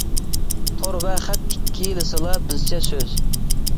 تور ۋە خەت ئىككىلىسىلا بىزچە سۆز.